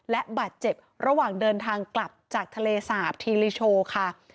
และบาดเจ็บระหว่างเดินทางกลับจากทะเลสาบทีลิโชว์ค่ะ